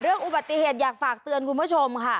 อุบัติเหตุอยากฝากเตือนคุณผู้ชมค่ะ